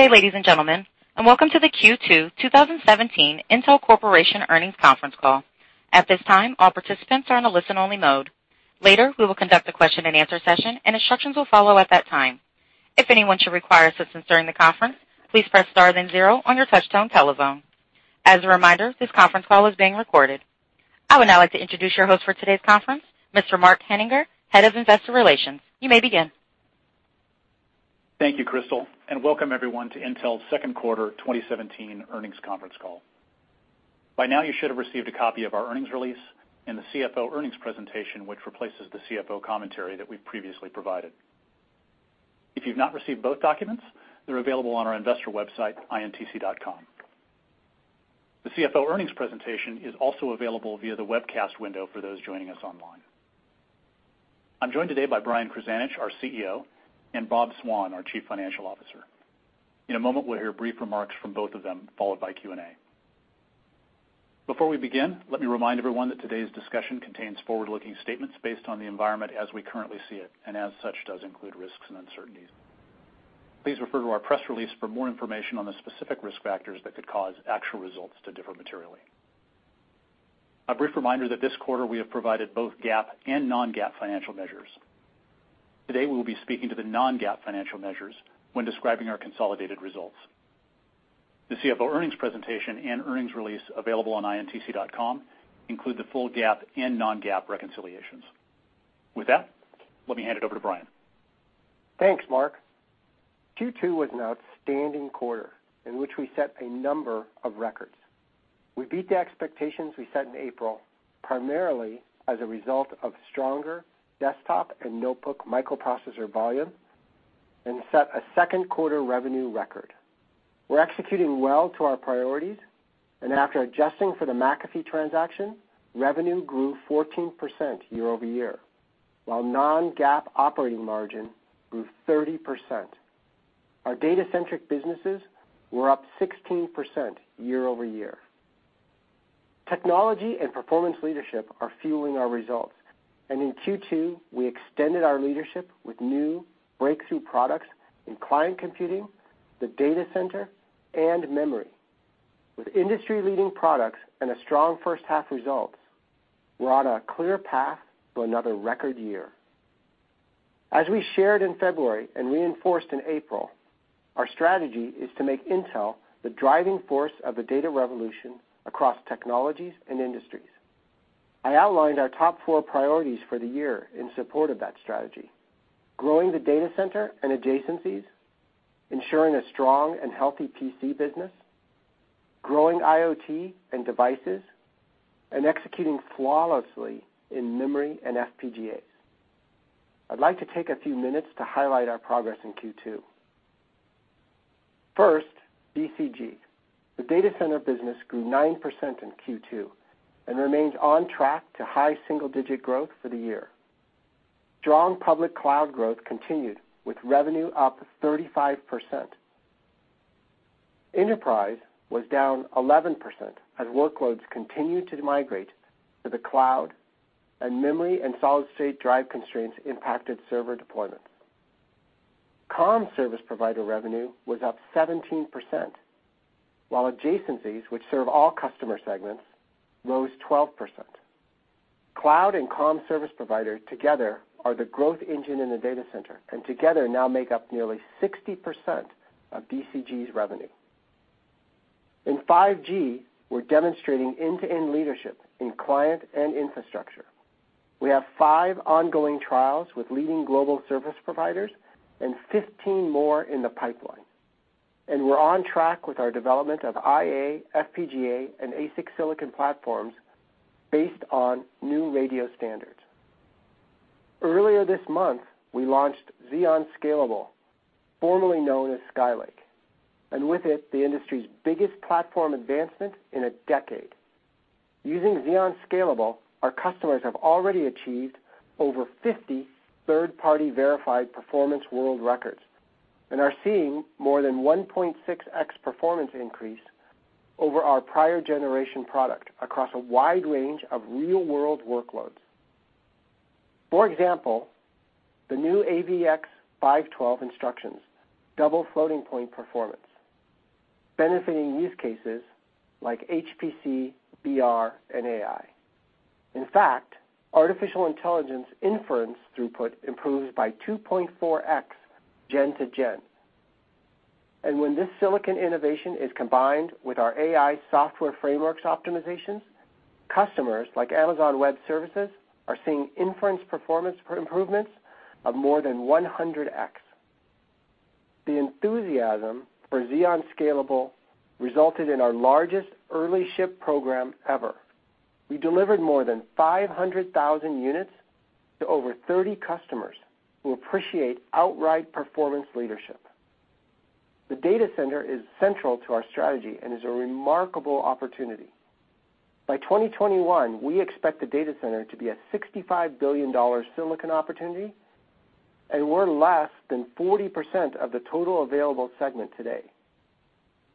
Good day, ladies and gentlemen, and welcome to the Q2 2017 Intel Corporation earnings conference call. At this time, all participants are on a listen only mode. Later, we will conduct a question and answer session and instructions will follow at that time. If anyone should require assistance during the conference, please press star then zero on your touchtone telephone. As a reminder, this conference call is being recorded. I would now like to introduce your host for today's conference, Mr. Mark Henninger, Head of Investor Relations. You may begin. Thank you, Crystal, and welcome everyone to Intel's second quarter 2017 earnings conference call. By now, you should have received a copy of our earnings release and the CFO earnings presentation, which replaces the CFO commentary that we've previously provided. If you've not received both documents, they're available on our investor website, intc.com. The CFO earnings presentation is also available via the webcast window for those joining us online. I'm joined today by Brian Krzanich, our CEO, and Bob Swan, our Chief Financial Officer. In a moment, we'll hear brief remarks from both of them, followed by Q&A. Before we begin, let me remind everyone that today's discussion contains forward-looking statements based on the environment as we currently see it, and as such, does include risks and uncertainties. Please refer to our press release for more information on the specific risk factors that could cause actual results to differ materially. A brief reminder that this quarter we have provided both GAAP and non-GAAP financial measures. Today, we'll be speaking to the non-GAAP financial measures when describing our consolidated results. The CFO earnings presentation and earnings release available on intc.com include the full GAAP and non-GAAP reconciliations. With that, let me hand it over to Brian. Thanks, Mark. Q2 was an outstanding quarter in which we set a number of records. We beat the expectations we set in April, primarily as a result of stronger desktop and notebook microprocessor volume and set a second quarter revenue record. We're executing well to our priorities, and after adjusting for the McAfee transaction, revenue grew 14% year over year, while non-GAAP operating margin grew 30%. Our data centric businesses were up 16% year over year. Technology and performance leadership are fueling our results, and in Q2, we extended our leadership with new breakthrough products in client computing, the data center, and memory. With industry-leading products and a strong first half results, we're on a clear path to another record year. As we shared in February and reinforced in April, our strategy is to make Intel the driving force of the data revolution across technologies and industries. I outlined our top four priorities for the year in support of that strategy, growing the Data Center and adjacencies, ensuring a strong and healthy PC business, growing IoT and devices, and executing flawlessly in memory and FPGAs. I'd like to take a few minutes to highlight our progress in Q2. First, DCG. The Data Center business grew 9% in Q2 and remains on track to high single-digit growth for the year. Strong public cloud growth continued with revenue up 35%. Enterprise was down 11% as workloads continued to migrate to the cloud, and memory and solid-state drive constraints impacted server deployments. Comm service provider revenue was up 17%, while adjacencies, which serve all customer segments, rose 12%. Cloud and comm service provider together are the growth engine in the Data Center, together now make up nearly 60% of DCG's revenue. In 5G, we're demonstrating end-to-end leadership in client and infrastructure. We have five ongoing trials with leading global service providers, 15 more in the pipeline, we're on track with our development of IA, FPGA, and ASIC silicon platforms based on new radio standards. Earlier this month, we launched Xeon Scalable, formerly known as Skylake, with it, the industry's biggest platform advancement in a decade. Using Xeon Scalable, our customers have already achieved over 50 third-party verified performance world records and are seeing more than 1.6x performance increase over our prior generation product across a wide range of real-world workloads. For example, the new AVX-512 instructions double floating point performance, benefiting use cases like HPC, VR, and AI. In fact, artificial intelligence inference throughput improves by 2.4x gen to gen. When this silicon innovation is combined with our AI software frameworks optimizations, customers like Amazon Web Services are seeing inference performance improvements of more than 100x. The enthusiasm for Xeon Scalable resulted in our largest early ship program ever. We delivered more than 500,000 units to over 30 customers who appreciate outright performance leadership. The Data Center is central to our strategy and is a remarkable opportunity. By 2021, we expect the Data Center to be a $65 billion silicon opportunity, we're less than 40% of the total available segment today.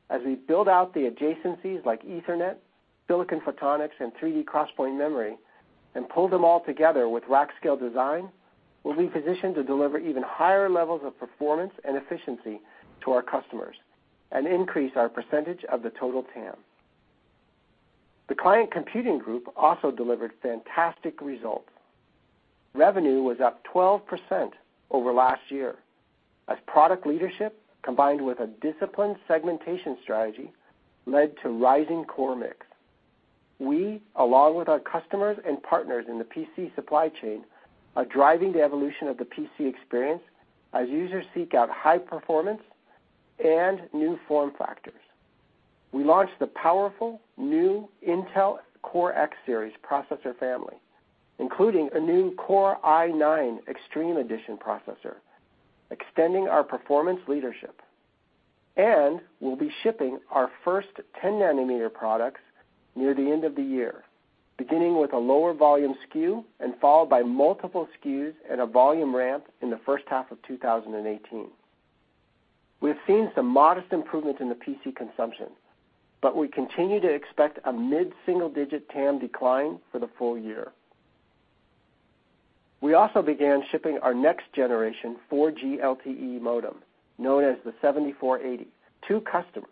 As we build out the adjacencies like Ethernet, silicon photonics, and 3D XPoint memory, pull them all together with rack scale design, we'll be positioned to deliver even higher levels of performance and efficiency to our customers and increase our percentage of the total TAM. The Client Computing Group also delivered fantastic results. Revenue was up 12% over last year, as product leadership, combined with a disciplined segmentation strategy, led to rising Core mix. We, along with our customers and partners in the PC supply chain, are driving the evolution of the PC experience as users seek out high performance and new form factors. We launched the powerful new Intel Core X-series processor family, including a new Core i9 Extreme Edition processor, extending our performance leadership. We'll be shipping our first 10 nanometer products near the end of the year, beginning with a lower volume SKU and followed by multiple SKUs and a volume ramp in the first half of 2018. We have seen some modest improvements in the PC consumption, we continue to expect a mid-single-digit TAM decline for the full year. We also began shipping our next generation 4G LTE modem, known as the 7480, to customers.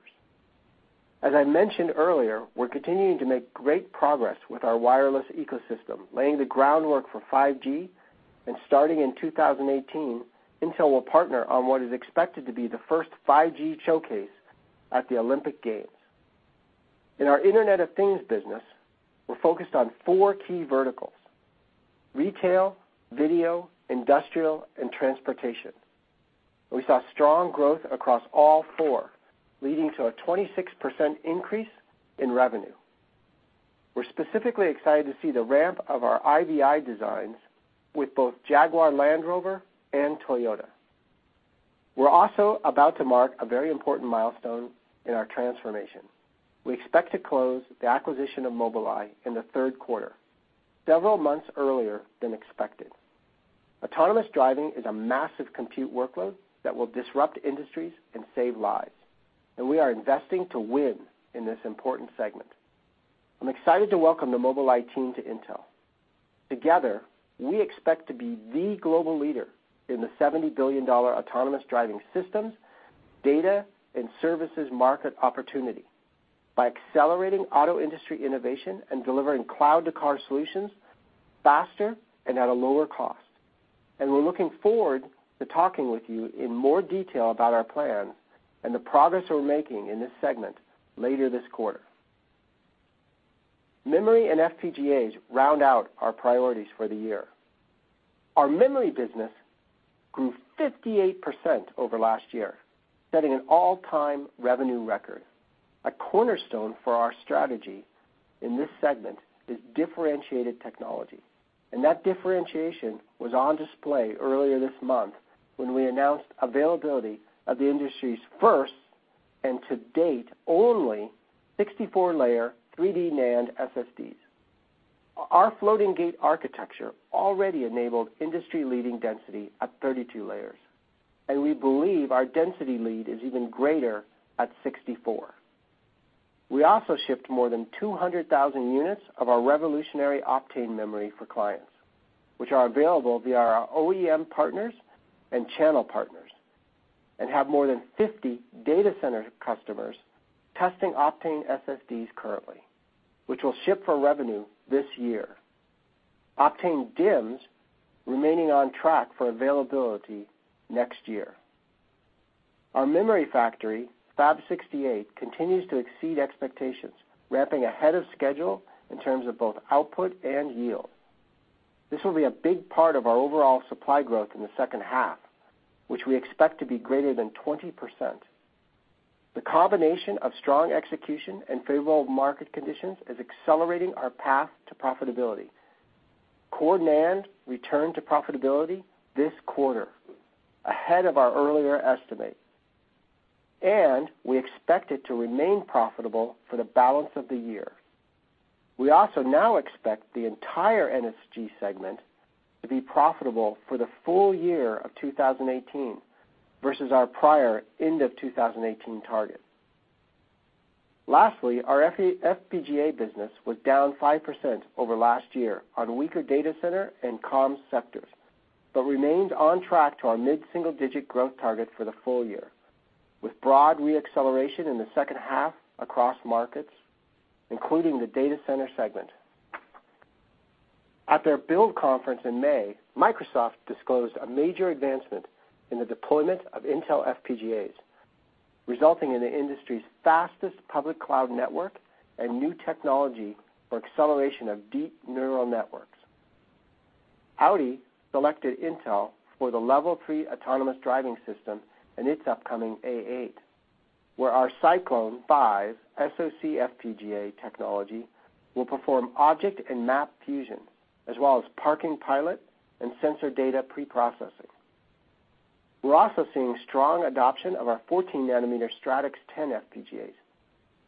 As I mentioned earlier, we're continuing to make great progress with our wireless ecosystem, laying the groundwork for 5G. Starting in 2018, Intel will partner on what is expected to be the first 5G showcase at the Olympic Games. In our Internet of Things business, we're focused on four key verticals: retail, video, industrial, and transportation. We saw strong growth across all four, leading to a 26% increase in revenue. We're specifically excited to see the ramp of our IVI designs with both Jaguar Land Rover and Toyota. We're also about to mark a very important milestone in our transformation. We expect to close the acquisition of Mobileye in the third quarter, several months earlier than expected. Autonomous driving is a massive compute workload that will disrupt industries and save lives. We are investing to win in this important segment. I'm excited to welcome the Mobileye team to Intel. Together, we expect to be the global leader in the $70 billion autonomous driving systems, data, and services market opportunity by accelerating auto industry innovation and delivering cloud-to-car solutions faster and at a lower cost. We're looking forward to talking with you in more detail about our plan and the progress we're making in this segment later this quarter. Memory and FPGAs round out our priorities for the year. Our memory business grew 58% over last year, setting an all-time revenue record. A cornerstone for our strategy in this segment is differentiated technology. That differentiation was on display earlier this month when we announced availability of the industry's first, and to date, only 64-layer 3D NAND SSDs. Our floating-gate architecture already enabled industry-leading density at 32 layers. We believe our density lead is even greater at 64. We also shipped more than 200,000 units of our revolutionary Optane memory for clients, which are available via our OEM partners and channel partners, and have more than 50 data center customers testing Optane SSDs currently, which will ship for revenue this year. Optane DIMMs remaining on track for availability next year. Our memory factory, Fab 68, continues to exceed expectations, ramping ahead of schedule in terms of both output and yield. This will be a big part of our overall supply growth in the second half, which we expect to be greater than 20%. The combination of strong execution and favorable market conditions is accelerating our path to profitability. Core NAND returned to profitability this quarter, ahead of our earlier estimate. We expect it to remain profitable for the balance of the year. We also now expect the entire NSG segment to be profitable for the full year of 2018 versus our prior end of 2018 target. Lastly, our FPGA business was down 5% over last year on weaker data center and comms sectors. It remains on track to our mid-single-digit growth target for the full year, with broad re-acceleration in the second half across markets, including the data center segment. At their Build conference in May, Microsoft disclosed a major advancement in the deployment of Intel FPGAs, resulting in the industry's fastest public cloud network and new technology for acceleration of deep neural networks. Audi selected Intel for the Level 3 autonomous driving system in its upcoming A8, where our Cyclone V SoC FPGA technology will perform object and map fusion, as well as parking pilot and sensor data preprocessing. We're also seeing strong adoption of our 14-nanometer Stratix 10 FPGAs.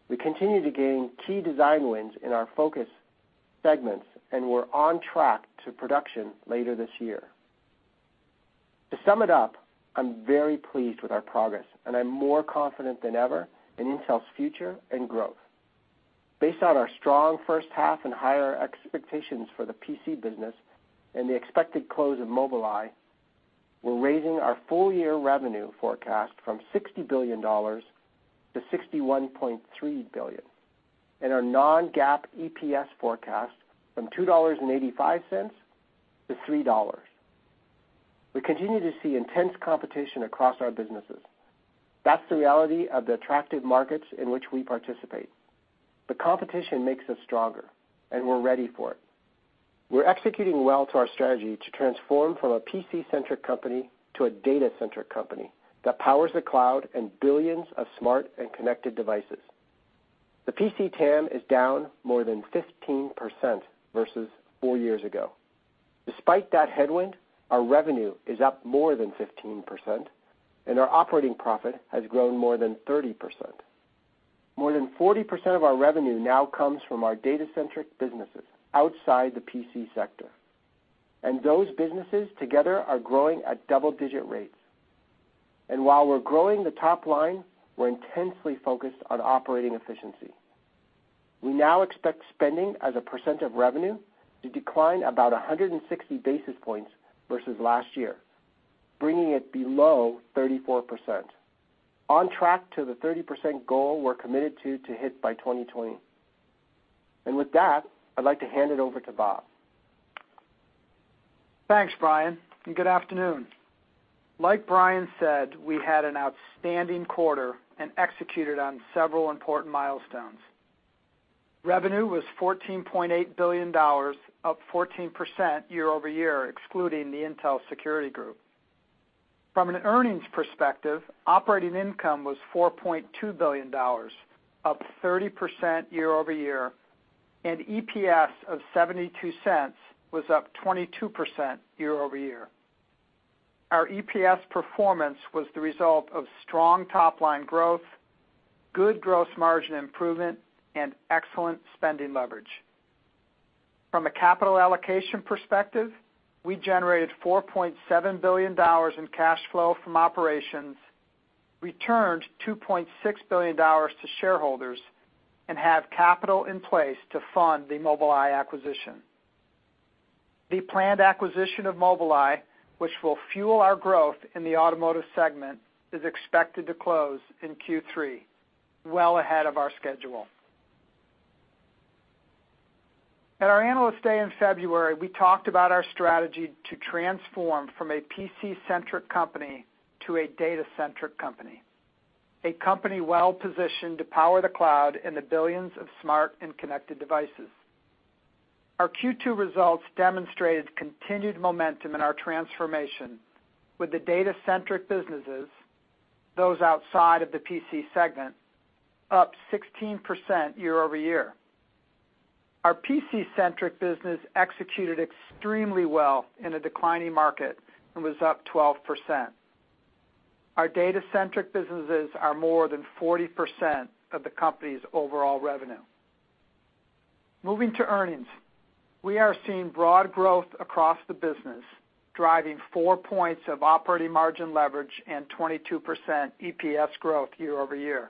We continue to gain key design wins in our focus segments. We're on track to production later this year. To sum it up, I'm very pleased with our progress. I'm more confident than ever in Intel's future and growth. Based on our strong first half, higher expectations for the PC business, and the expected close of Mobileye, we're raising our full-year revenue forecast from $60 billion to $61.3 billion, and our non-GAAP EPS forecast from $2.85 to $3. We continue to see intense competition across our businesses. That's the reality of the attractive markets in which we participate. The competition makes us stronger, and we're ready for it. We're executing well to our strategy to transform from a PC-centric company to a data-centric company that powers the cloud and billions of smart and connected devices. The PC TAM is down more than 15% versus four years ago. Despite that headwind, our revenue is up more than 15%. Our operating profit has grown more than 30%. More than 40% of our revenue now comes from our data-centric businesses outside the PC sector. Those businesses together are growing at double-digit rates. While we're growing the top line, we're intensely focused on operating efficiency. We now expect spending as a percent of revenue to decline about 160 basis points versus last year, bringing it below 34%, on track to the 30% goal we're committed to hit by 2020. With that, I'd like to hand it over to Bob. Thanks, Brian. Good afternoon. Like Brian said, we had an outstanding quarter. We executed on several important milestones. Revenue was $14.8 billion, up 14% year-over-year, excluding the Intel Security Group. From an earnings perspective, operating income was $4.2 billion, up 30% year-over-year. EPS of $0.72 was up 22% year-over-year. Our EPS performance was the result of strong top-line growth, good gross margin improvement, and excellent spending leverage. From a capital allocation perspective, we generated $4.7 billion in cash flow from operations, returned $2.6 billion to shareholders. We have capital in place to fund the Mobileye acquisition. The planned acquisition of Mobileye, which will fuel our growth in the automotive segment, is expected to close in Q3, well ahead of our schedule. At our Analyst Day in February, we talked about our strategy to transform from a PC-centric company to a data-centric company, a company well-positioned to power the cloud and the billions of smart and connected devices. Our Q2 results demonstrated continued momentum in our transformation with the data-centric businesses, those outside of the PC segment, up 16% year-over-year. Our PC-centric business executed extremely well in a declining market and was up 12%. Our data-centric businesses are more than 40% of the company's overall revenue. Moving to earnings, we are seeing broad growth across the business, driving four points of operating margin leverage and 22% EPS growth year-over-year.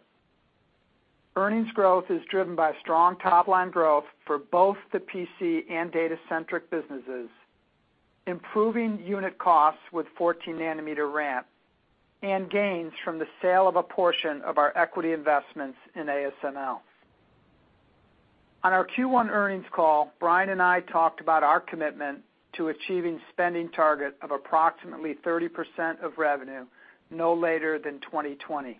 Earnings growth is driven by strong top-line growth for both the PC and data-centric businesses, improving unit costs with 14-nanometer ramp, and gains from the sale of a portion of our equity investments in ASML. On our Q1 earnings call, Brian and I talked about our commitment to achieving spending target of approximately 30% of revenue no later than 2020.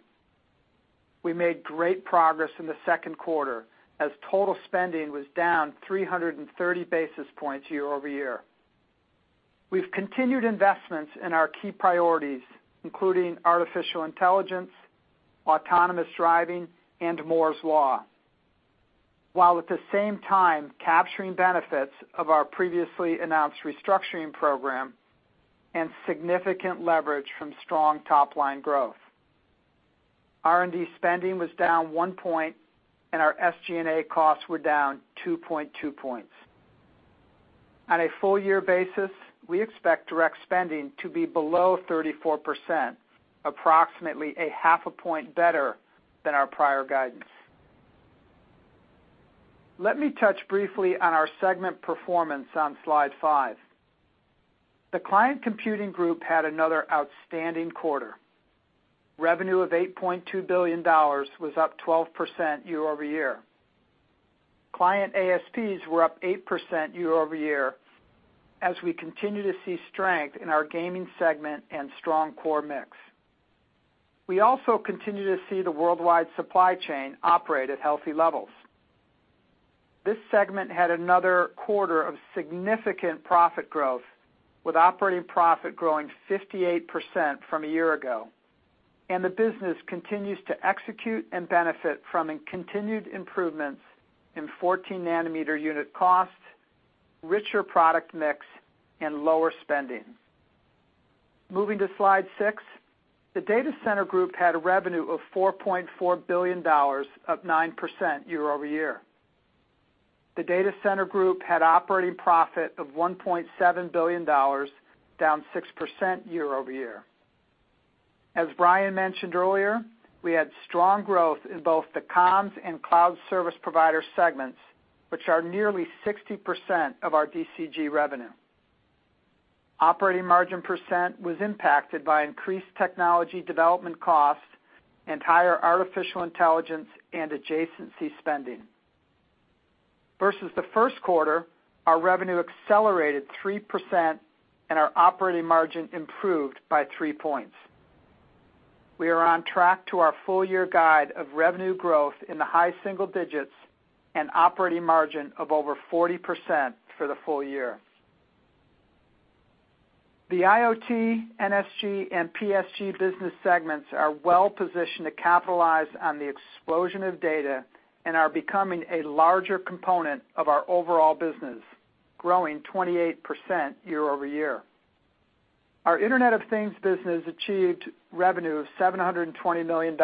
We made great progress in the second quarter as total spending was down 330 basis points year-over-year. We've continued investments in our key priorities, including artificial intelligence, autonomous driving, and Moore's Law, while at the same time capturing benefits of our previously announced restructuring program and significant leverage from strong top-line growth. R&D spending was down one point, and our SG&A costs were down 2.2 points. On a full-year basis, we expect direct spending to be below 34%, approximately a half a point better than our prior guidance. Let me touch briefly on our segment performance on slide five. The Client Computing Group had another outstanding quarter. Revenue of $8.2 billion was up 12% year-over-year. Client ASPs were up 8% year-over-year as we continue to see strength in our gaming segment and strong core mix. We also continue to see the worldwide supply chain operate at healthy levels. This segment had another quarter of significant profit growth, with operating profit growing 58% from a year ago. The business continues to execute and benefit from continued improvements in 14-nanometer unit costs, richer product mix, and lower spending. Moving to slide six. The Data Center Group had a revenue of $4.4 billion, up 9% year-over-year. The Data Center Group had operating profit of $1.7 billion, down 6% year-over-year. As Brian mentioned earlier, we had strong growth in both the comms and cloud service provider segments, which are nearly 60% of our DCG revenue. Operating margin percent was impacted by increased technology development costs and higher artificial intelligence and adjacency spending. Versus the first quarter, our revenue accelerated 3% and our operating margin improved by three points. We are on track to our full-year guide of revenue growth in the high single digits and operating margin of over 40% for the full year. The IoT, NSG, and PSG business segments are well-positioned to capitalize on the explosion of data and are becoming a larger component of our overall business, growing 28% year-over-year. Our Internet of Things business achieved revenue of $720 million,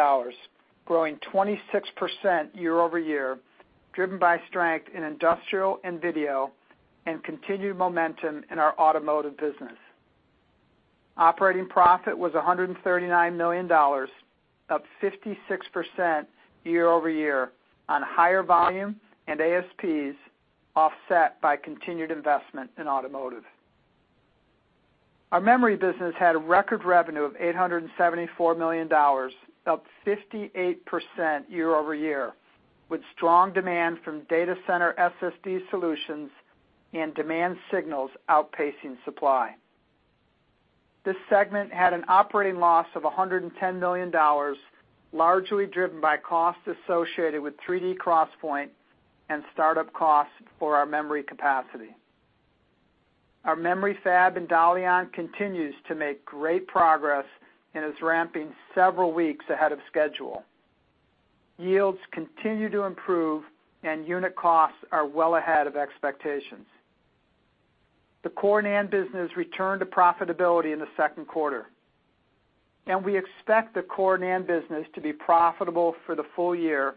growing 26% year-over-year, driven by strength in industrial and video and continued momentum in our automotive business. Operating profit was $139 million, up 56% year-over-year on higher volume and ASPs offset by continued investment in automotive. Our memory business had a record revenue of $874 million, up 58% year-over-year, with strong demand from data center SSD solutions and demand signals outpacing supply. This segment had an operating loss of $110 million, largely driven by costs associated with 3D XPoint and start-up costs for our memory capacity. Our memory fab in Dalian continues to make great progress and is ramping several weeks ahead of schedule. Yields continue to improve, and unit costs are well ahead of expectations. The core NAND business returned to profitability in the second quarter, and we expect the core NAND business to be profitable for the full-year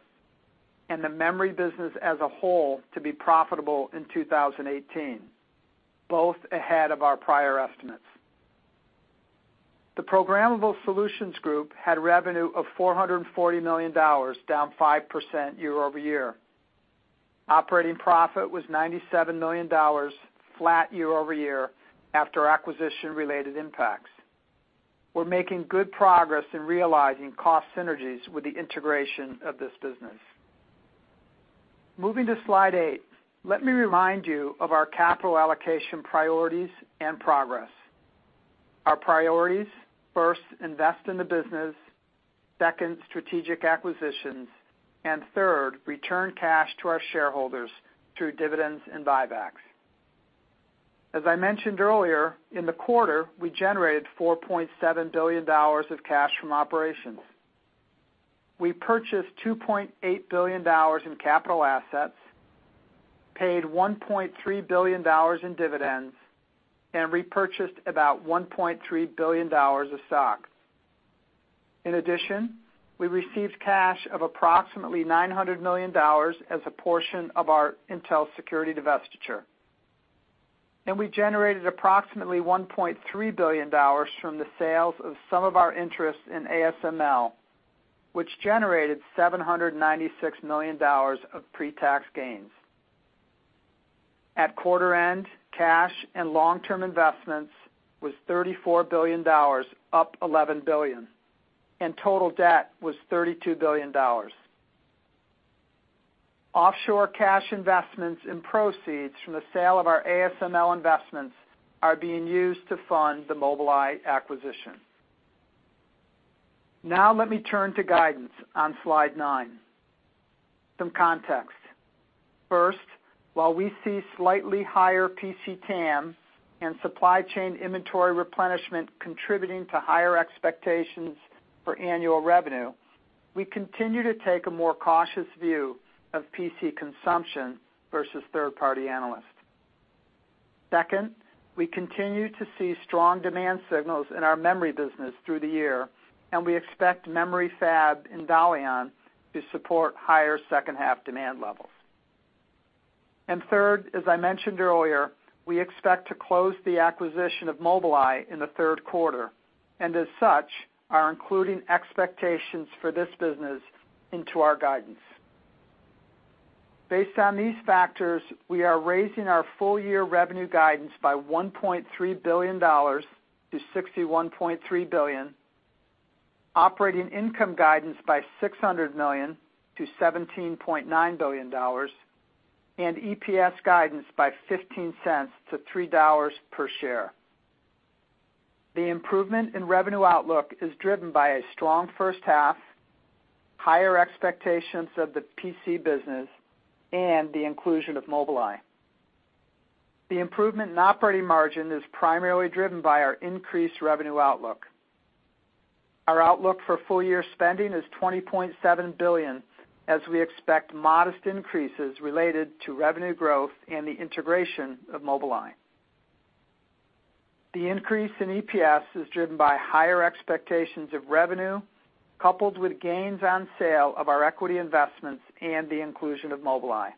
and the memory business as a whole to be profitable in 2018, both ahead of our prior estimates. The Programmable Solutions Group had revenue of $440 million, down 5% year-over-year. Operating profit was $97 million flat year-over-year after acquisition-related impacts. We're making good progress in realizing cost synergies with the integration of this business. Moving to slide eight. Let me remind you of our capital allocation priorities and progress. Our priorities, first, invest in the business, second, strategic acquisitions, and third, return cash to our shareholders through dividends and buybacks. As I mentioned earlier, in the quarter, we generated $4.7 billion of cash from operations. We purchased $2.8 billion in capital assets, paid $1.3 billion in dividends, and repurchased about $1.3 billion of stock. In addition, we received cash of approximately $900 million as a portion of our Intel Security divestiture. We generated approximately $1.3 billion from the sales of some of our interest in ASML, which generated $796 million of pre-tax gains. At quarter end, cash and long-term investments was $34 billion, up $11 billion, and total debt was $32 billion. Offshore cash investments and proceeds from the sale of our ASML investments are being used to fund the Mobileye acquisition. Let me turn to guidance on slide nine. Some context. First, while we see slightly higher PC TAM and supply chain inventory replenishment contributing to higher expectations for annual revenue, we continue to take a more cautious view of PC consumption versus third-party analysts. Second, we continue to see strong demand signals in our memory business through the year, and we expect memory fab in Dalian to support higher second half demand levels. Third, as I mentioned earlier, we expect to close the acquisition of Mobileye in the third quarter, and as such, are including expectations for this business into our guidance. Based on these factors, we are raising our full-year revenue guidance by $1.3 billion to $61.3 billion, operating income guidance by $600 million to $17.9 billion, and EPS guidance by $0.15 to $3 per share. The improvement in revenue outlook is driven by a strong first half, higher expectations of the PC business, and the inclusion of Mobileye. The improvement in operating margin is primarily driven by our increased revenue outlook. Our outlook for full-year spending is $20.7 billion, as we expect modest increases related to revenue growth and the integration of Mobileye. The increase in EPS is driven by higher expectations of revenue, coupled with gains on sale of our equity investments and the inclusion of Mobileye.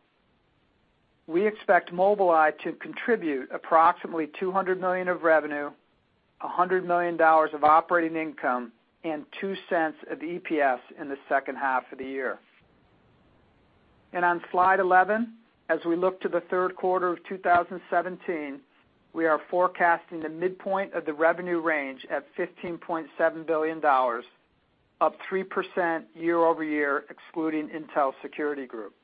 We expect Mobileye to contribute approximately $200 million of revenue, $100 million of operating income, and $0.02 of EPS in the second half of the year. On slide 11, as we look to the third quarter of 2017, we are forecasting the midpoint of the revenue range at $15.7 billion, up 3% year-over-year excluding Intel Security Group.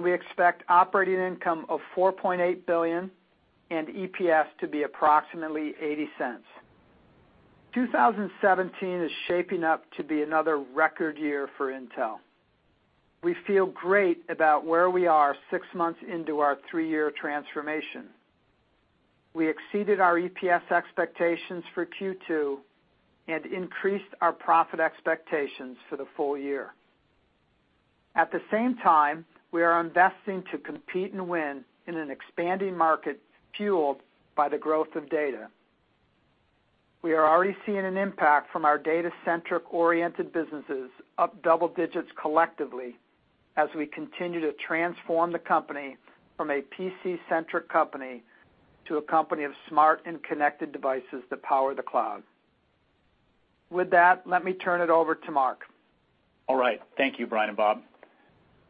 We expect operating income of $4.8 billion and EPS to be approximately $0.80. 2017 is shaping up to be another record year for Intel. We feel great about where we are six months into our three-year transformation. We exceeded our EPS expectations for Q2 and increased our profit expectations for the full year. At the same time, we are investing to compete and win in an expanding market fueled by the growth of data. We are already seeing an impact from our data center-oriented businesses up double digits collectively as we continue to transform the company from a PC-centric company to a company of smart and connected devices that power the cloud. With that, let me turn it over to Mark. All right. Thank you, Brian and Bob.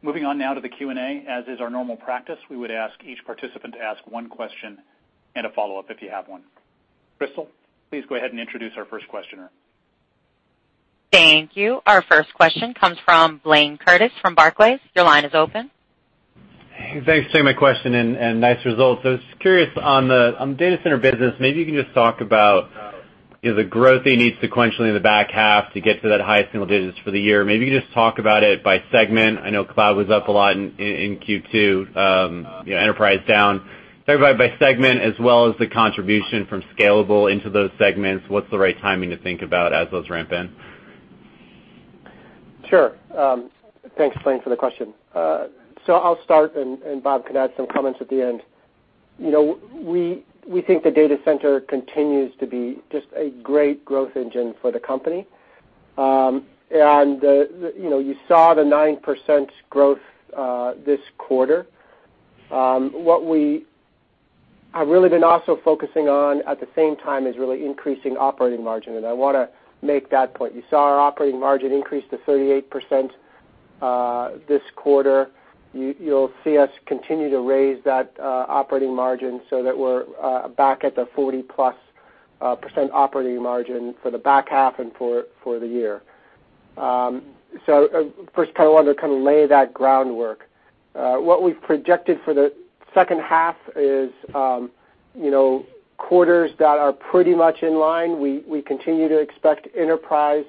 Moving on now to the Q&A. As is our normal practice, we would ask each participant to ask one question and a follow-up if you have one. Crystal, please go ahead and introduce our first questioner. Thank you. Our first question comes from Blayne Curtis from Barclays. Your line is open. Hey. Thanks for taking my question, nice results. I was just curious on the data center business, maybe you can just talk about the growth that you need sequentially in the back half to get to that high single digits for the year. Maybe you can just talk about it by segment. I know cloud was up a lot in Q2, enterprise down. Talk about it by segment as well as the contribution from scalable into those segments. What's the right timing to think about as those ramp in? Sure. Thanks, Blayne, for the question. I'll start, and Bob can add some comments at the end. We think the data center continues to be just a great growth engine for the company. You saw the 9% growth, this quarter. What we have really been also focusing on at the same time is really increasing operating margin, and I want to make that point. You saw our operating margin increase to 38% this quarter. You'll see us continue to raise that operating margin so that we're back at the 40+% operating margin for the back half and for the year. First, I want to kind of lay that groundwork. What we've projected for the second half is quarters that are pretty much in line. We continue to expect enterprise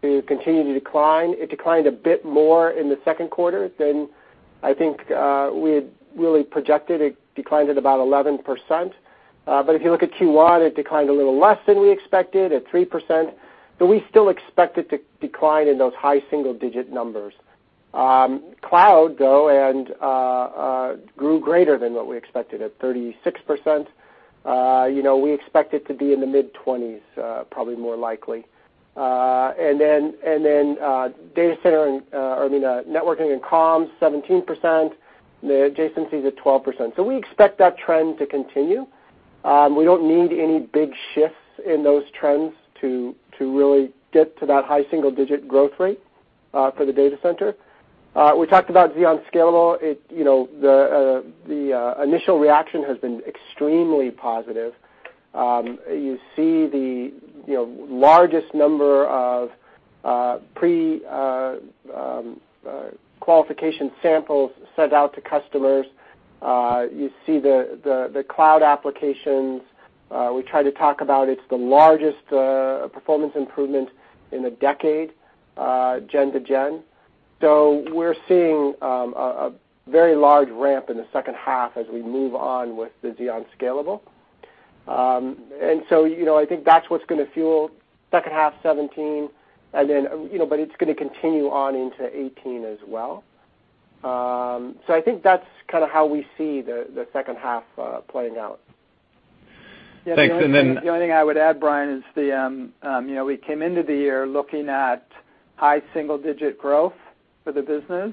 to continue to decline. It declined a bit more in the second quarter than I think we had really projected. It declined at about 11%. If you look at Q1, it declined a little less than we expected, at 3%, but we still expect it to decline in those high single-digit numbers. Cloud, though, grew greater than what we expected, at 36%. We expect it to be in the mid-20s, probably more likely. Networking and comms, 17%, the adjacencies at 12%. We expect that trend to continue. We don't need any big shifts in those trends to really get to that high single-digit growth rate for the Data Center. We talked about Xeon Scalable. The initial reaction has been extremely positive. You see the largest number of pre-qualification samples sent out to customers. You see the cloud applications. We try to talk about it's the largest performance improvement in a decade, gen-to-gen. We're seeing a very large ramp in the second half as we move on with the Xeon Scalable. I think that's what's going to fuel second half 2017, but it's going to continue on into 2018 as well. I think that's kind of how we see the second half playing out. Thanks. The only thing I would add, Brian, is we came into the year looking at high single-digit growth for the business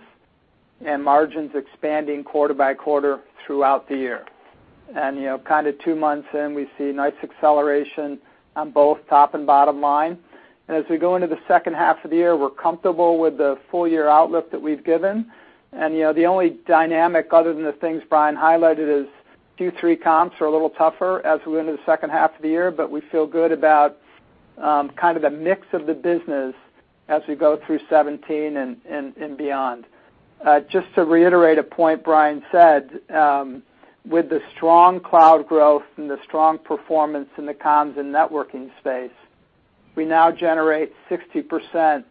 and margins expanding quarter by quarter throughout the year. Kind of two months in, we see nice acceleration on both top and bottom line. As we go into the second half of the year, we're comfortable with the full-year outlook that we've given. The only dynamic other than the things Brian highlighted is Q3 comps are a little tougher as we go into the second half of the year, but we feel good about kind of the mix of the business as we go through 2017 and beyond. Just to reiterate a point Brian said, with the strong cloud growth and the strong performance in the comms and networking space, we now generate 60%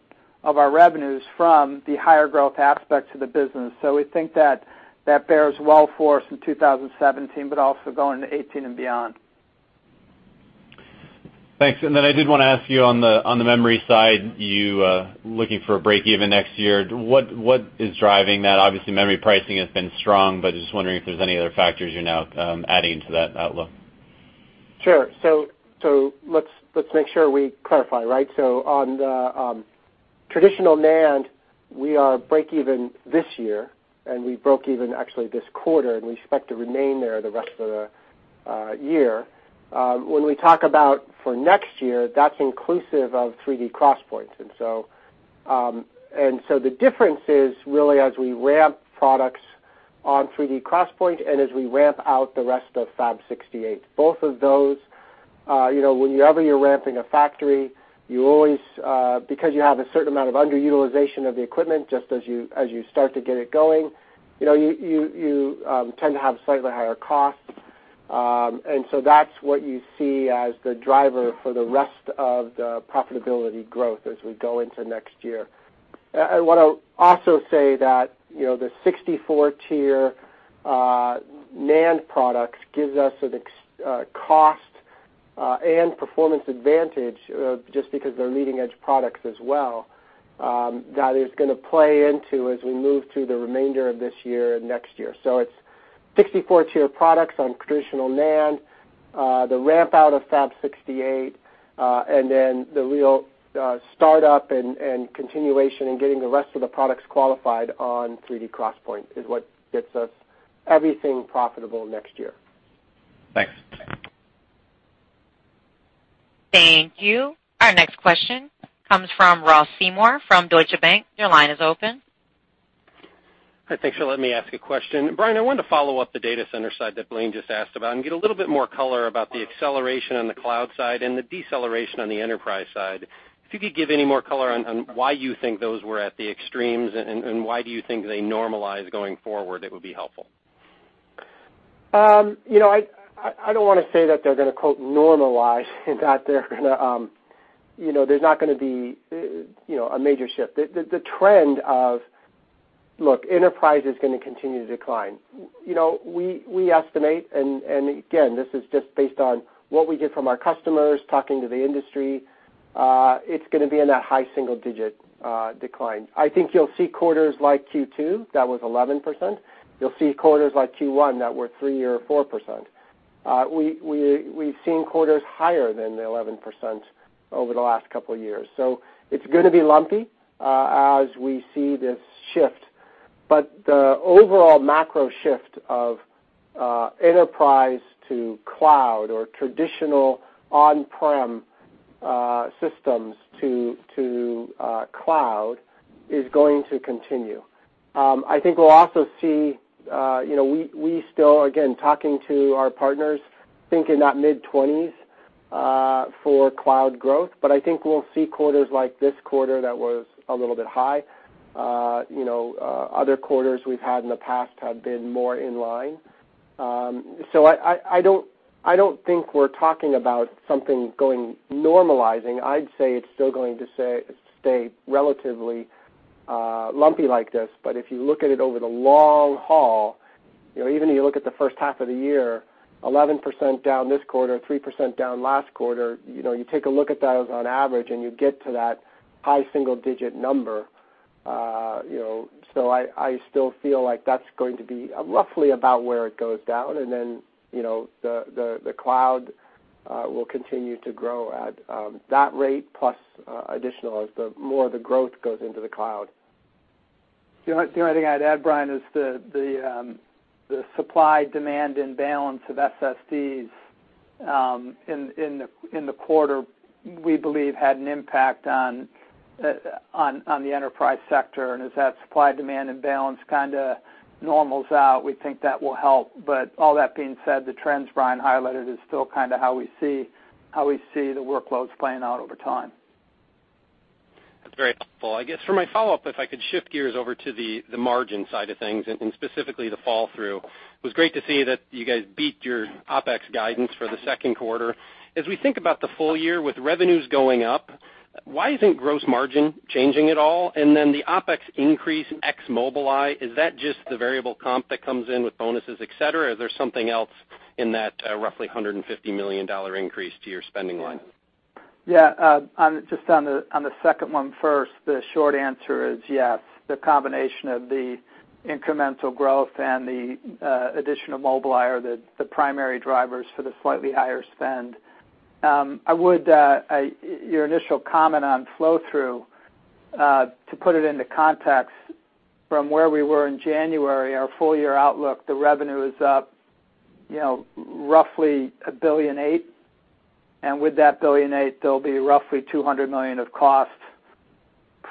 of our revenues from the higher growth aspects of the business. We think that bears well for us in 2017, also going into 2018 and beyond. Thanks. Are you looking for a break even next year, what is driving that? Obviously, memory pricing has been strong, just wondering if there is any other factors you are now adding to that outlook. Sure. Let's make sure we clarify, right? On the traditional NAND, we are break even this year, and we broke even actually this quarter, and we expect to remain there the rest of the year. When we talk about for next year, that is inclusive of 3D XPoint. The difference is really as we ramp products on 3D XPoint and as we ramp out the rest of Fab 68. Whenever you are ramping a factory, because you have a certain amount of underutilization of the equipment, just as you start to get it going, you tend to have slightly higher costs. That is what you see as the driver for the rest of the profitability growth as we go into next year. I want to also say that the 64-tier NAND products gives us a cost and performance advantage, just because they are leading-edge products as well, that is going to play into as we move through the remainder of this year and next year. It is 64-tier products on traditional NAND, the ramp out of Fab 68, the real startup and continuation in getting the rest of the products qualified on 3D XPoint is what gets us everything profitable next year. Thanks. Thank you. Our next question comes from Ross Seymore from Deutsche Bank. Your line is open. Hi. Thanks for letting me ask a question. Brian, I wanted to follow up the data center side that Blayne just asked about and get a little bit more color about the acceleration on the cloud side and the deceleration on the enterprise side. If you could give any more color on why you think those were at the extremes and why do you think they normalize going forward, it would be helpful. I don't want to say that they're going to, quote, "normalize" and that there's not going to be a major shift. Look, enterprise is going to continue to decline. We estimate, and again, this is just based on what we get from our customers, talking to the industry, it's going to be in that high single-digit decline. I think you'll see quarters like Q2, that was 11%. You'll see quarters like Q1 that were 3% or 4%. We've seen quarters higher than the 11% over the last couple of years. It's going to be lumpy as we see this shift. The overall macro shift of enterprise to cloud or traditional on-prem systems to cloud is going to continue. I think we'll also see, we still, again, talking to our partners, thinking that mid-20s for cloud growth, but I think we'll see quarters like this quarter that was a little bit high. Other quarters we've had in the past have been more in line. I don't think we're talking about something normalizing. I'd say it's still going to stay relatively lumpy like this. If you look at it over the long haul, even you look at the first half of the year, 11% down this quarter, 3% down last quarter. You take a look at that on average, and you get to that high single-digit number. I still feel like that's going to be roughly about where it goes down, and then the cloud will continue to grow at that rate plus additional as more of the growth goes into the cloud. The only thing I'd add, Brian, is the supply-demand imbalance of SSDs in the quarter, we believe had an impact on the enterprise sector. As that supply-demand imbalance kind of normals out, we think that will help. All that being said, the trends Brian highlighted is still kind of how we see the workloads playing out over time. That's very helpful. I guess for my follow-up, if I could shift gears over to the margin side of things and specifically the fall through. It was great to see that you guys beat your OpEx guidance for the second quarter. As we think about the full year with revenues going up, why isn't gross margin changing at all? Then the OpEx increase ex Mobileye, is that just the variable comp that comes in with bonuses, et cetera? Is there something else in that roughly $150 million increase to your spending line? Yeah. Just on the second one first, the short answer is yes. The combination of the incremental growth and the addition of Mobileye are the primary drivers for the slightly higher spend. Your initial comment on flow through, to put it into context from where we were in January, our full-year outlook, the revenue is up roughly $1.8 billion. With that $1.8 billion, there'll be roughly $200 million of costs,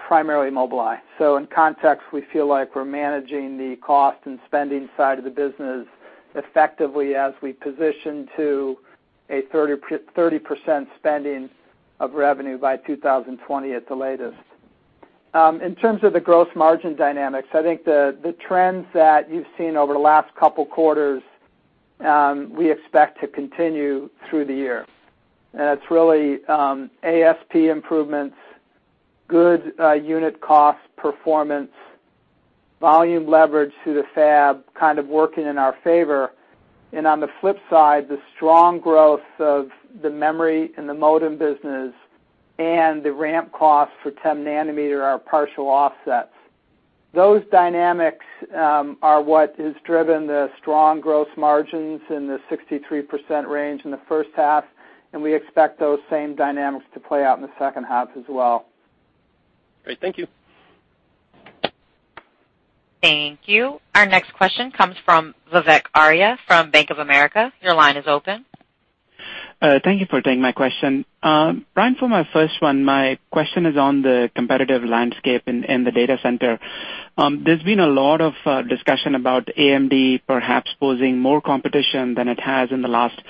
primarily Mobileye. In context, we feel like we're managing the cost and spending side of the business effectively as we position to a 30% spending of revenue by 2020 at the latest. In terms of the gross margin dynamics, I think the trends that you've seen over the last couple quarters, we expect to continue through the year. It's really ASP improvements, good unit cost performance Volume leverage to the fab kind of working in our favor. On the flip side, the strong growth of the memory and the modem business and the ramp cost for 10-nanometer are partial offsets. Those dynamics are what has driven the strong gross margins in the 63% range in the first half, we expect those same dynamics to play out in the second half as well. Great. Thank you. Thank you. Our next question comes from Vivek Arya from Bank of America. Your line is open. Thank you for taking my question. Brian, for my first one, my question is on the competitive landscape in the data center. There has been a lot of discussion about AMD perhaps posing more competition than it has in the last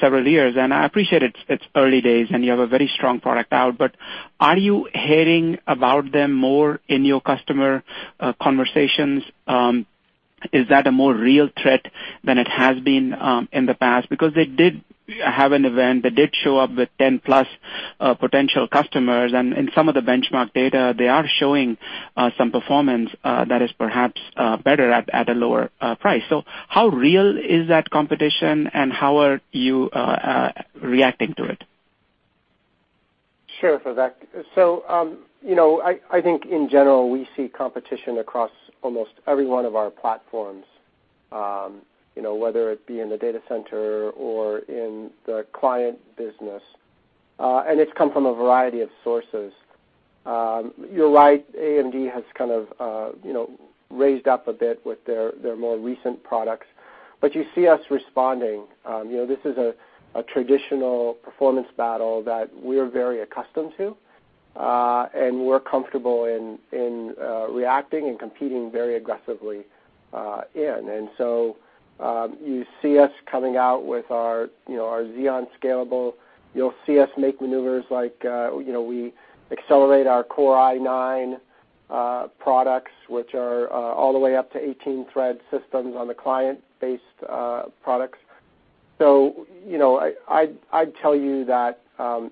several years, and I appreciate it is early days and you have a very strong product out, but are you hearing about them more in your customer conversations? Is that a more real threat than it has been in the past? Because they did have an event. They did show up with 10 plus potential customers, and in some of the benchmark data, they are showing some performance that is perhaps better at a lower price. How real is that competition and how are you reacting to it? Sure, Vivek. I think in general, we see competition across almost every one of our platforms, whether it be in the data center or in the client business. It has come from a variety of sources. You are right, AMD has kind of raised up a bit with their more recent products. You see us responding. This is a traditional performance battle that we are very accustomed to, and we are comfortable in reacting and competing very aggressively in. You see us coming out with our Xeon Scalable. You will see us make maneuvers like, we accelerate our Core i9 products, which are all the way up to 18-thread systems on the client-based products. I would tell you that,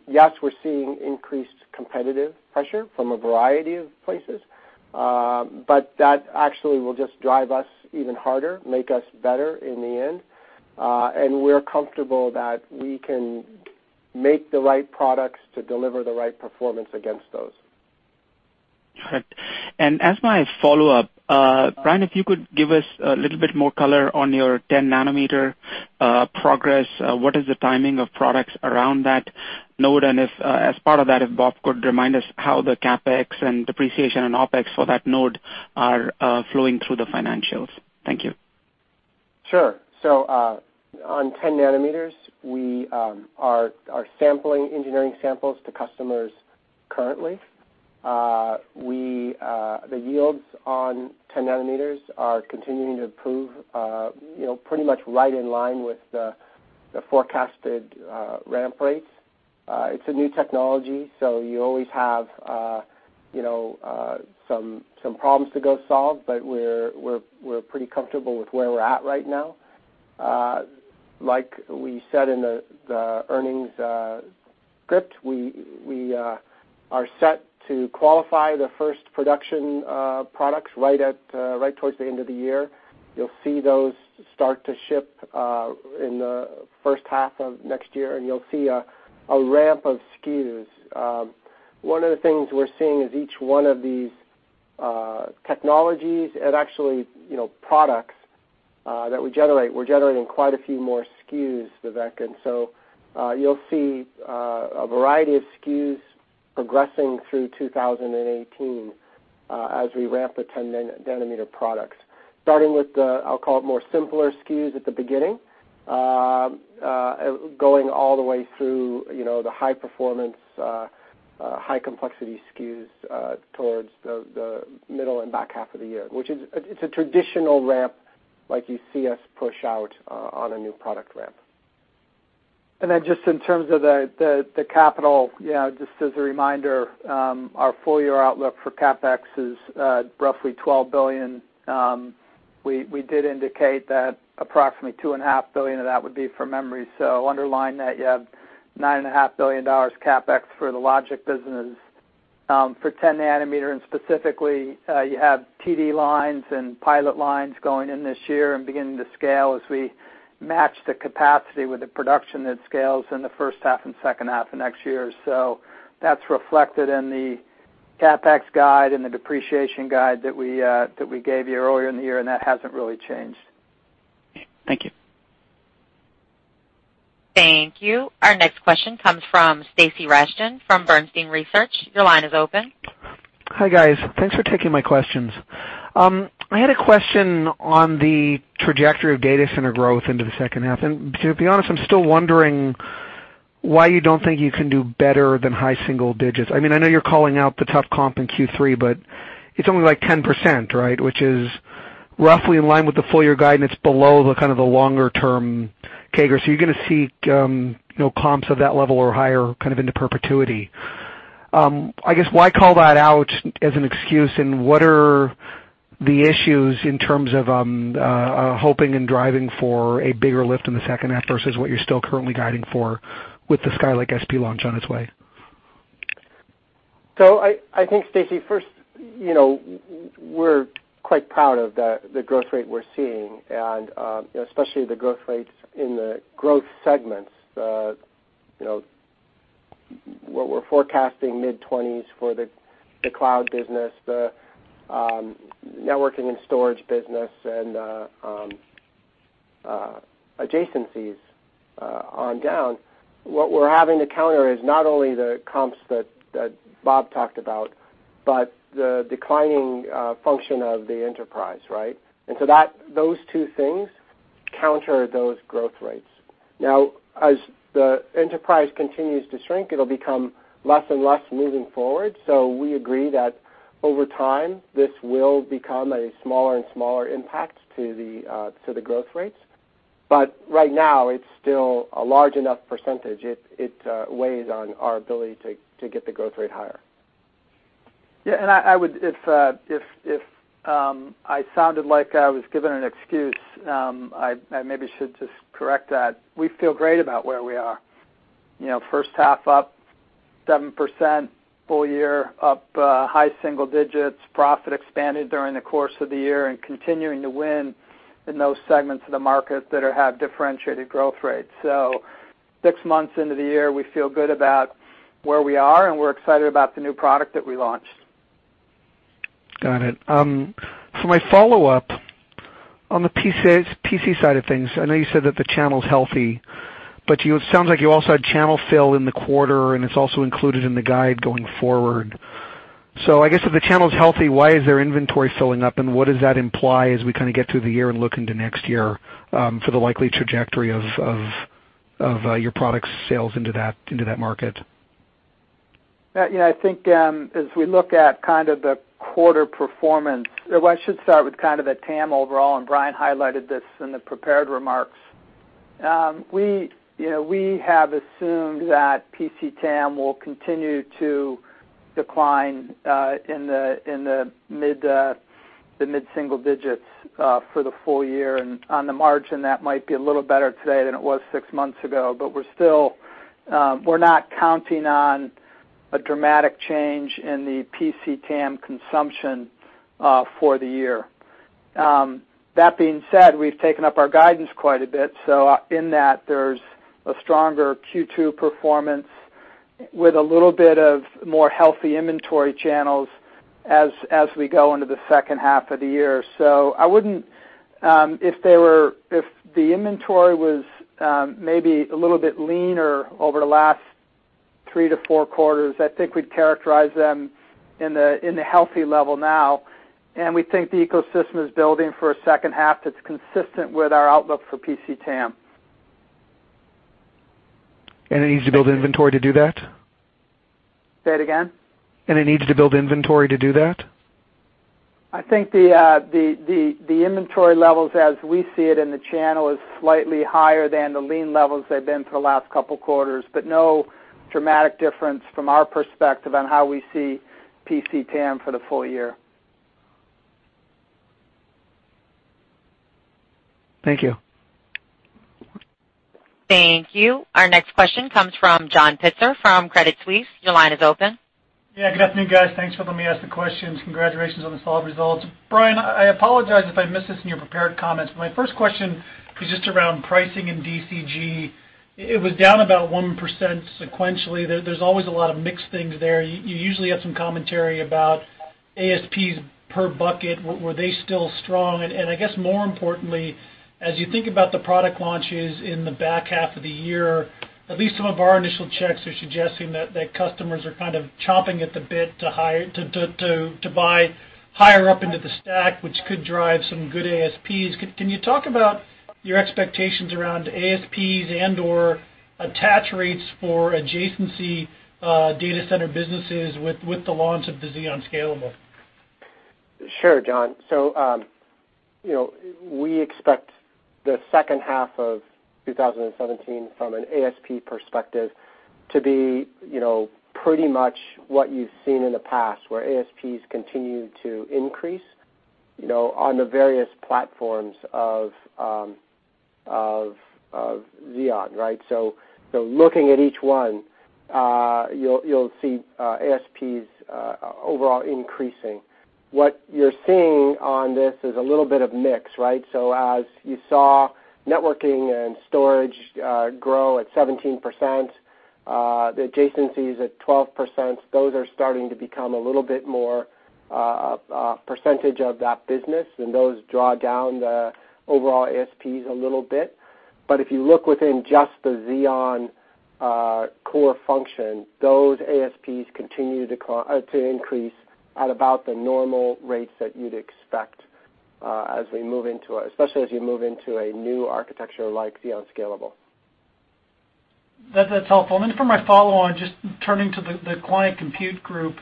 yes, we are seeing increased competitive pressure from a variety of places. That actually will just drive us even harder, make us better in the end. We are comfortable that we can make the right products to deliver the right performance against those. Got it. As my follow-up, Brian, if you could give us a little bit more color on your 10-nanometer progress. What is the timing of products around that node? If, as part of that, if Bob could remind us how the CapEx and depreciation and OpEx for that node are flowing through the financials. Thank you. Sure. On 10 nanometers, we are sampling engineering samples to customers currently. The yields on 10 nanometers are continuing to improve pretty much right in line with the forecasted ramp rates. It's a new technology, so you always have some problems to go solve, but we're pretty comfortable with where we're at right now. Like we said in the earnings script, we are set to qualify the first production products right towards the end of the year. You'll see those start to ship in the first half of next year, and you'll see a ramp of SKUs. One of the things we're seeing is each one of these technologies and actually products that we generate, we're generating quite a few more SKUs, Vivek. You'll see a variety of SKUs progressing through 2018 as we ramp the 10-nanometer products, starting with the, I'll call it more simpler SKUs at the beginning, going all the way through the high-performance, high-complexity SKUs towards the middle and back half of the year. It's a traditional ramp like you see us push out on a new product ramp. Just in terms of the capital, just as a reminder, our full-year outlook for CapEx is roughly $12 billion. We did indicate that approximately $2.5 billion of that would be for memory. Underlying that, you have $9.5 billion CapEx for the logic business. For 10 nanometer, and specifically, you have TD lines and pilot lines going in this year and beginning to scale as we match the capacity with the production that scales in the first half and second half of next year. That's reflected in the CapEx guide and the depreciation guide that we gave you earlier in the year, and that hasn't really changed. Thank you. Thank you. Our next question comes from Stacy Rasgon from Bernstein Research. Your line is open. Hi, guys. Thanks for taking my questions. I had a question on the trajectory of data center growth into the second half. To be honest, I'm still wondering why you don't think you can do better than high single digits. I know you're calling out the tough comp in Q3, but it's only like 10%, right? Which is roughly in line with the full-year guidance below the kind of the longer-term CAGR. You're going to see comps of that level or higher kind of into perpetuity. I guess why call that out as an excuse, and what are the issues in terms of hoping and driving for a bigger lift in the second half versus what you're still currently guiding for with the Skylake-SP launch on its way? I think, Stacy, first, we're quite proud of the growth rate we're seeing, and especially the growth rates in the growth segments. What we're forecasting mid-20s for the cloud business, the networking and storage business, and adjacencies on down. What we're having to counter is not only the comps that Bob talked about, but the declining function of the enterprise, right? Those two things counter those growth rates. As the enterprise continues to shrink, it'll become less and less moving forward. We agree that over time, this will become a smaller and smaller impact to the growth rates. Right now, it's still a large enough percentage. It weighs on our ability to get the growth rate higher. If I sounded like I was giving an excuse, I maybe should just correct that. We feel great about where we are. First half up 7%, full year up high single digits, profit expanded during the course of the year, and continuing to win in those segments of the market that have differentiated growth rates. Six months into the year, we feel good about where we are, and we're excited about the new product that we launched. Got it. For my follow-up, on the PC side of things, I know you said that the channel's healthy, but it sounds like you also had channel fill in the quarter, and it's also included in the guide going forward. I guess if the channel's healthy, why is there inventory filling up, and what does that imply as we get through the year and look into next year for the likely trajectory of your product sales into that market? I think as we look at the quarter performance, I should start with the TAM overall, and Brian highlighted this in the prepared remarks. We have assumed that PC TAM will continue to decline in the mid-single digits for the full year, and on the margin, that might be a little better today than it was six months ago. We're not counting on a dramatic change in the PC TAM consumption for the year. That being said, we've taken up our guidance quite a bit, in that, there's a stronger Q2 performance with a little bit of more healthy inventory channels as we go into the second half of the year. If the inventory was maybe a little bit leaner over the last three to four quarters, I think we'd characterize them in the healthy level now, and we think the ecosystem is building for a second half that's consistent with our outlook for PC TAM. It needs to build inventory to do that? Say it again? It needs to build inventory to do that? I think the inventory levels as we see it in the channel is slightly higher than the lean levels they've been for the last couple of quarters, no dramatic difference from our perspective on how we see PC TAM for the full year. Thank you. Thank you. Our next question comes from John Pitzer from Credit Suisse. Your line is open. Good afternoon, guys. Thanks for letting me ask the questions. Congratulations on the solid results. Brian, I apologize if I missed this in your prepared comments, my first question is just around pricing in DCG. It was down about 1% sequentially. There's always a lot of mixed things there. You usually have some commentary about ASPs per bucket. Were they still strong? I guess more importantly, as you think about the product launches in the back half of the year, at least some of our initial checks are suggesting that customers are kind of chomping at the bit to buy higher up into the stack, which could drive some good ASPs. Can you talk about your expectations around ASPs and/or attach rates for adjacency data center businesses with the launch of the Xeon Scalable? Sure, John. We expect the second half of 2017, from an ASP perspective, to be pretty much what you've seen in the past, where ASPs continue to increase on the various platforms of Xeon, right? Looking at each one, you'll see ASPs overall increasing. What you're seeing on this is a little bit of mix, right? As you saw networking and storage grow at 17%, the adjacencies at 12%, those are starting to become a little bit more a percentage of that business, and those draw down the overall ASPs a little bit. If you look within just the Xeon core function, those ASPs continue to increase at about the normal rates that you'd expect, especially as you move into a new architecture like Xeon Scalable. That's helpful. For my follow-on, just turning to the Client Computing Group.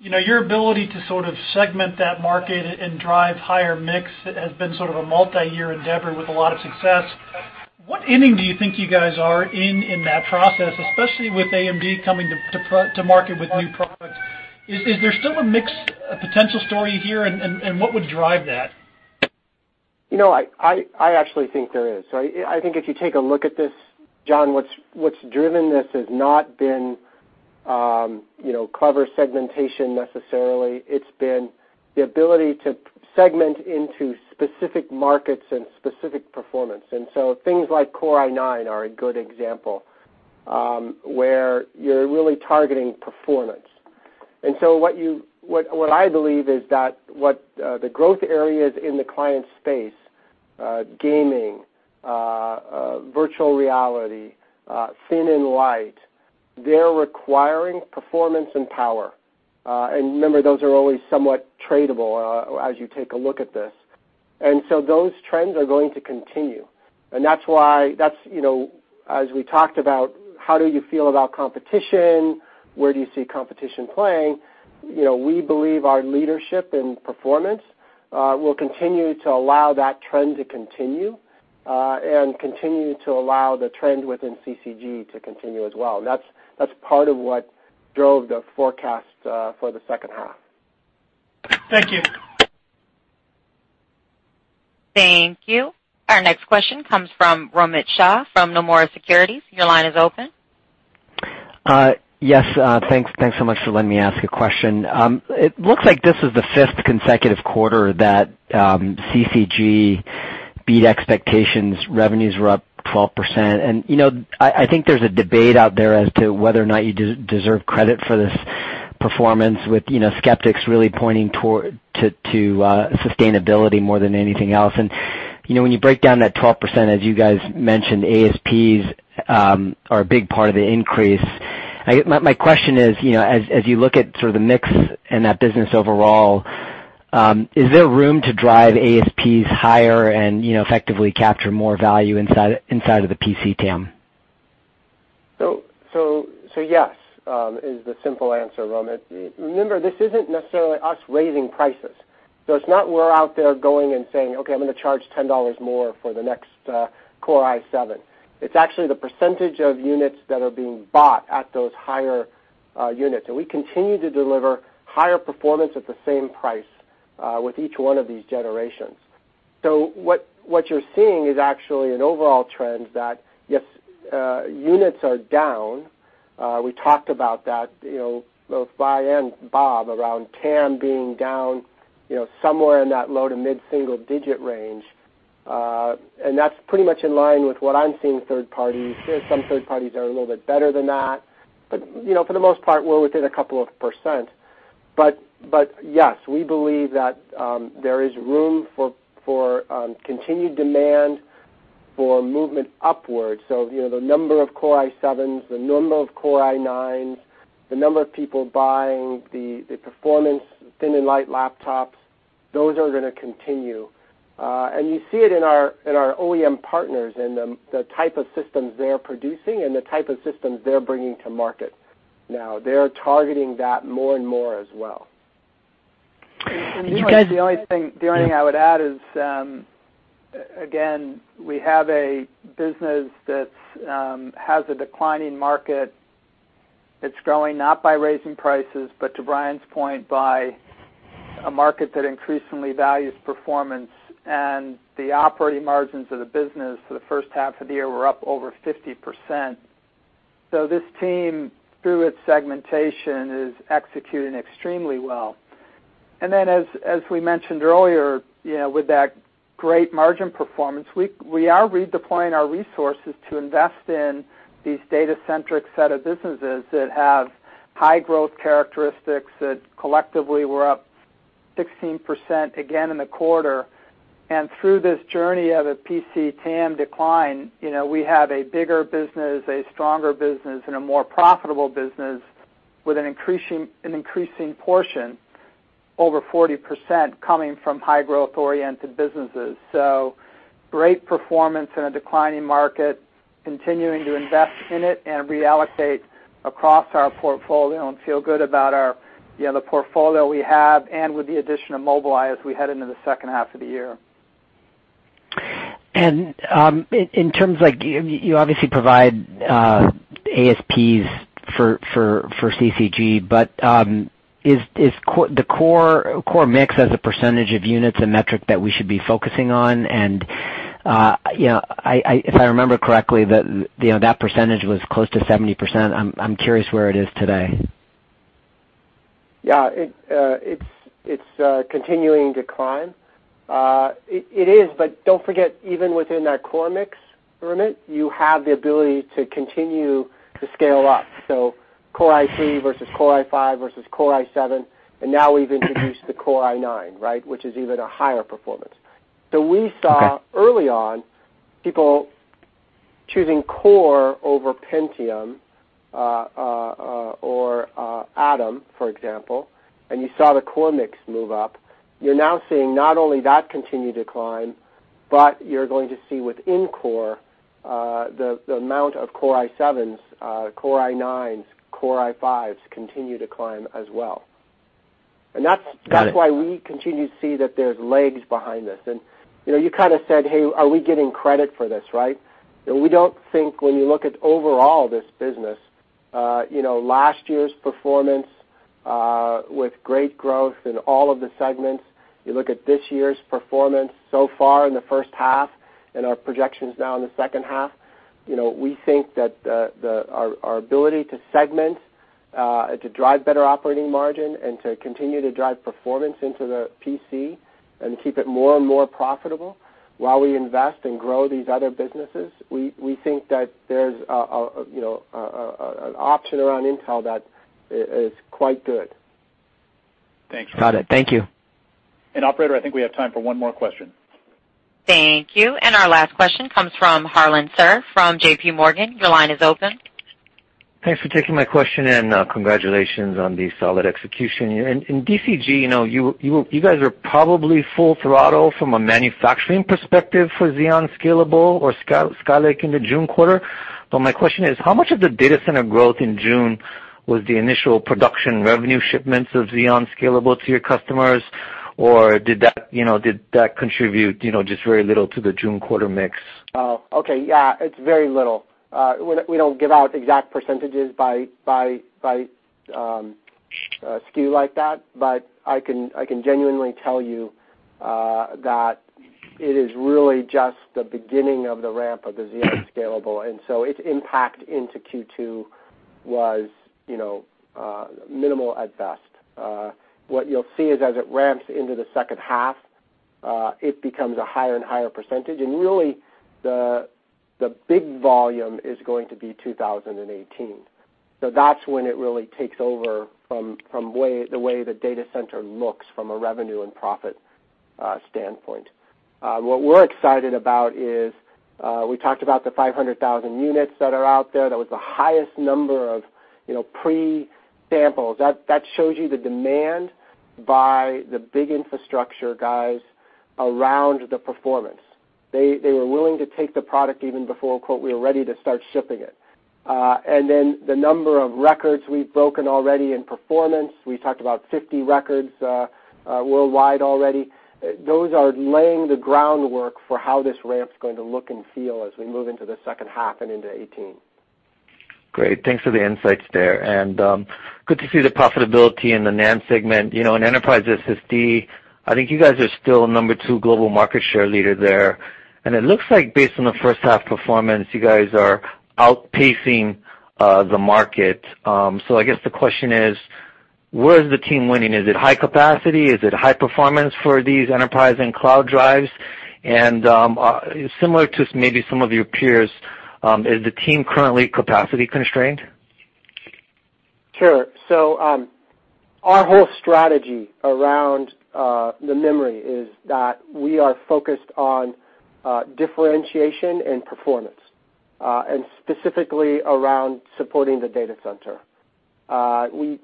Your ability to sort of segment that market and drive higher mix has been sort of a multi-year endeavor with a lot of success. What inning do you think you guys are in in that process, especially with AMD coming to market with new products? Is there still a mix potential story here, and what would drive that? I actually think there is. I think if you take a look at this, John, what's driven this has not been clever segmentation necessarily. It's been the ability to segment into specific markets and specific performance. Things like Core i9 are a good example, where you're really targeting performance. What I believe is that what the growth areas in the client space, gaming, virtual reality, thin and light, they're requiring performance and power. Remember, those are always somewhat tradable as you take a look at this. Those trends are going to continue, and that's why, as we talked about, how do you feel about competition? Where do you see competition playing? We believe our leadership and performance will continue to allow that trend to continue, and continue to allow the trend within CCG to continue as well. That's part of what drove the forecast for the second half. Thank you. Thank you. Our next question comes from Romit Shah from Nomura Securities. Your line is open. Yes. Thanks so much for letting me ask a question. It looks like this is the fifth consecutive quarter that CCG beat expectations. Revenues were up 12%. I think there's a debate out there as to whether or not you deserve credit for this performance with skeptics really pointing to sustainability more than anything else. When you break down that 12%, as you guys mentioned, ASPs are a big part of the increase. My question is, as you look at sort of the mix in that business overall, is there room to drive ASPs higher and effectively capture more value inside of the PC TAM? Yes, is the simple answer, Romit. Remember, this isn't necessarily us raising prices. It's not we're out there going and saying, "Okay, I'm gonna charge $10 more for the next Core i7." It's actually the percentage of units that are being bought at those higher units. We continue to deliver higher performance at the same price, with each one of these generations. What you're seeing is actually an overall trend that, yes, units are down. We talked about that, both Blayne and Bob, around TAM being down somewhere in that low to mid-single digit range. That's pretty much in line with what I'm seeing third parties. Some third parties are a little bit better than that, but for the most part, we're within a couple of percent. Yes, we believe that there is room for continued demand for movement upwards. The number of Core i7s, the number of Core i9s, the number of people buying the performance thin and light laptops, those are going to continue. You see it in our OEM partners, in the type of systems they're producing and the type of systems they're bringing to market now. They're targeting that more and more as well. The only thing I would add is, again, we have a business that has a declining market. It's growing not by raising prices, but to Brian's point, by a market that increasingly values performance, and the operating margins of the business for the first half of the year were up over 50%. This team, through its segmentation, is executing extremely well. As we mentioned earlier, with that great margin performance, we are redeploying our resources to invest in these data-centric set of businesses that have high growth characteristics that collectively were up 16% again in the quarter. Through this journey of a PC TAM decline, we have a bigger business, a stronger business, and a more profitable business with an increasing portion, over 40%, coming from high growth-oriented businesses. Great performance in a declining market, continuing to invest in it and reallocate across our portfolio and feel good about the portfolio we have and with the addition of Mobileye as we head into the second half of the year. In terms like, you obviously provide ASPs for CCG, is the core mix as a percentage of units a metric that we should be focusing on? If I remember correctly, that percentage was close to 70%. I'm curious where it is today. Yeah. It's continuing to climb. It is, but don't forget, even within that core mix, Romit, you have the ability to continue to scale up. Core i3 versus Core i5 versus Core i7, and now we've introduced the Core i9, which is even a higher performance. We saw early on people choosing Core over Pentium, or Atom, for example, and you saw the Core mix move up. You're now seeing not only that continue to climb, but you're going to see within Core, the amount of Core i7s, Core i9s, Core i5s continue to climb as well. Got it. That's why we continue to see that there's legs behind this. You kind of said, "Hey, are we getting credit for this?" Right? We don't think when you look at overall this business, last year's performance with great growth in all of the segments. You look at this year's performance so far in the first half and our projections now in the second half, we think that our ability to segment, to drive better operating margin, and to continue to drive performance into the PC and keep it more and more profitable while we invest and grow these other businesses, we think that there's an option around Intel that is quite good. Thanks. Got it. Thank you. operator, I think we have time for one more question. Thank you. Our last question comes from Harlan Sur from J.P. Morgan. Your line is open. Thanks for taking my question, and congratulations on the solid execution. In DCG, you guys are probably full throttle from a manufacturing perspective for Xeon Scalable or Skylake in the June quarter. My question is, how much of the data center growth in June was the initial production revenue shipments of Xeon Scalable to your customers, or did that contribute just very little to the June quarter mix? Okay. Yeah, it's very little. We don't give out exact percentages by SKU like that, but I can genuinely tell you, that it is really just the beginning of the ramp of the Xeon Scalable. Its impact into Q2 was minimal at best. What you'll see is as it ramps into the second half, it becomes a higher and higher percentage, and really the big volume is going to be 2018. That's when it really takes over from the way the data center looks from a revenue and profit standpoint. What we're excited about is, we talked about the 500,000 units that are out there. That was the highest number of pre-samples. That shows you the demand by the big infrastructure guys around the performance. They were willing to take the product even before, quote, "We were ready to start shipping it." The number of records we've broken already in performance, we talked about 50 records worldwide already. Those are laying the groundwork for how this ramp's going to look and feel as we move into the second half and into 2018. Great. Thanks for the insights there, good to see the profitability in the NAND segment. In enterprise SSD, I think you guys are still number 2 global market share leader there, and it looks like based on the first half performance, you guys are outpacing the market. I guess the question is, where is the team winning? Is it high capacity? Is it high performance for these enterprise and cloud drives? Similar to maybe some of your peers, is the team currently capacity constrained? Sure. Our whole strategy around the memory is that we are focused on differentiation and performance, and specifically around supporting the data center.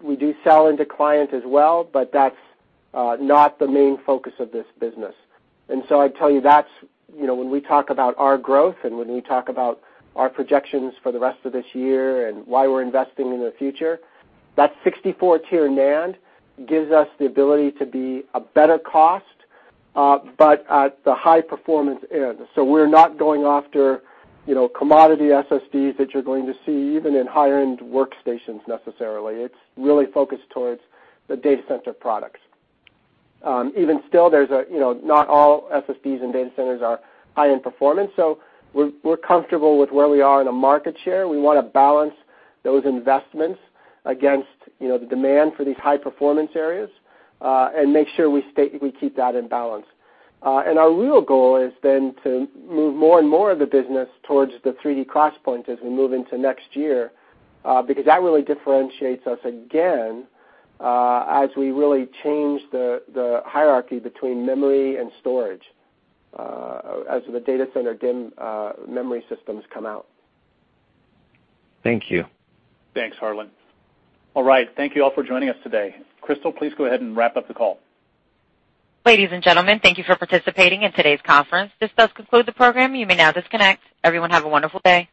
We do sell into clients as well, but that's not the main focus of this business. I'd tell you that's when we talk about our growth and when we talk about our projections for the rest of this year and why we're investing in the future, that 64-tier NAND gives us the ability to be a better cost, but at the high-performance end. We're not going after commodity SSDs that you're going to see even in high-end workstations necessarily. It's really focused towards the data center products. Even still, not all SSDs and data centers are high-end performance, so we're comfortable with where we are in the market share. We want to balance those investments against the demand for these high-performance areas, and make sure we keep that in balance. Our real goal is then to move more and more of the business towards the 3D XPoint as we move into next year, because that really differentiates us again, as we really change the hierarchy between memory and storage, as the data center DIMM memory systems come out. Thank you. Thanks, Harlan. All right. Thank you all for joining us today. Crystal, please go ahead and wrap up the call. Ladies and gentlemen, thank you for participating in today's conference. This does conclude the program. You may now disconnect. Everyone, have a wonderful day.